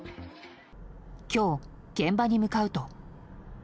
今日、現場に向かうと。